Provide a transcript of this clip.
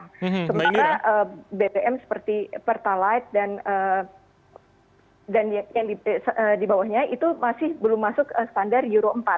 sementara bbm seperti pertalite dan yang di bawahnya itu masih belum masuk standar euro empat